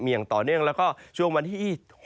อย่างต่อเนื่องแล้วก็ช่วงวันที่๒๖